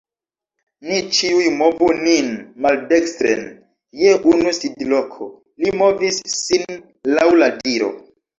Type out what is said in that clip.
"Ni ĉiuj movu nin maldekstren je unu sidloko." Li movis sin laŭ la diro.